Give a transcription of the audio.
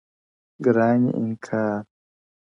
گراني انكار؛